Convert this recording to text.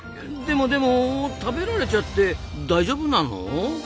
でもでも食べられちゃって大丈夫なの？